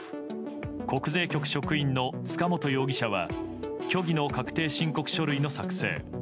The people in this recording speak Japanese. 国税局職員の塚本容疑者は虚偽の確定申告書類の作成。